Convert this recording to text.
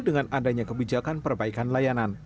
dengan adanya kebijakan perbaikan layanan